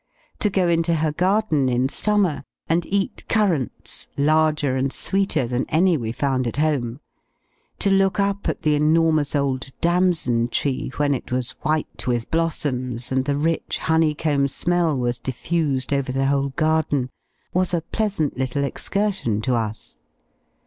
To go into her garden in summer, and eat currants, larger and sweeter than any we found at home, to look up at the enormous old damson tree, when it was white with blossoms, and the rich honey comb smell was diffused over the whole garden, was a pleasant little excursion to us.